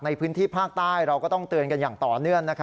ในพื้นที่ภาคใต้เราก็ต้องเตือนกันอย่างต่อเนื่อง